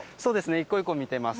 一個一個見ています。